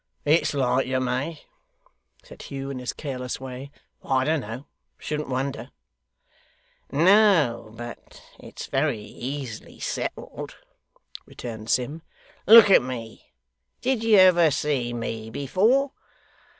'It's like you may,' said Hugh, in his careless way. 'I don't know; shouldn't wonder.' 'No, but it's very easily settled,' returned Sim. 'Look at me. Did you ever see ME before?